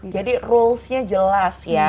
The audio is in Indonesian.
jadi rulesnya jelas ya